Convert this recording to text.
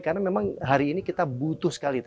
karena memang hari ini kita butuh sekali